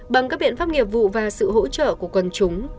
bằng các biện pháp nghiệp vụ và sự hỗ trợ của quần chúng